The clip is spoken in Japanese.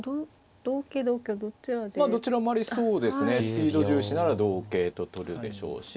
スピード重視なら同桂と取るでしょうし。